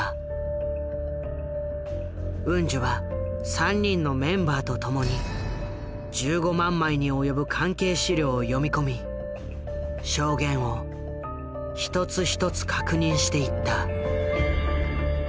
ウンジュは３人のメンバーとともに１５万枚に及ぶ関係資料を読み込み証言を一つ一つ確認していった。